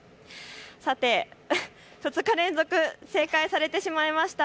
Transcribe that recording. さて、２日連続、正解されてしまいました。